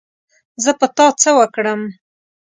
زه په تا څه وکړم